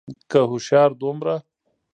که هوښيار دومره